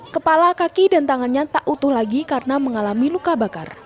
kepala kaki dan tangannya tak utuh lagi karena mengalami luka bakar